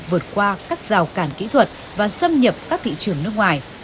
vượt qua các rào cản kỹ thuật và xâm nhập các thị trường nước ngoài